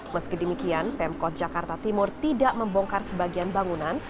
meski demikian pemkot jakarta timur tidak membongkar sebagian bangunan